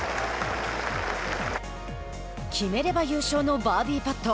決めれば優勝のバーディーパット。